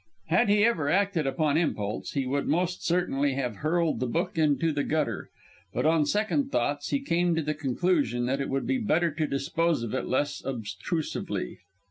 Had he ever acted upon impulse, he would most certainly have hurled the book into the gutter; but on second thoughts he came to the conclusion that it would be better to dispose of it less obstrusively.